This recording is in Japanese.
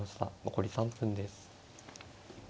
残り３分です。